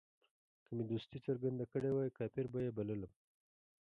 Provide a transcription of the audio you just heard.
که مې دوستي څرګنده کړې وای کافر به یې بللم.